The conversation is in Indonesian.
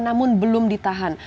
namun belum ditahan